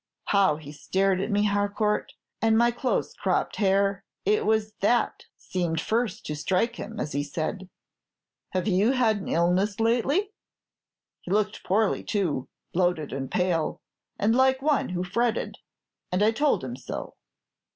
How he stared at me, Harcourt, and my close cropped hair. It was that seemed first to strike him, as he said, "Have you had an illness lately?" He looked poorly, too, bloated and pale, and like one who fretted, and I told him so.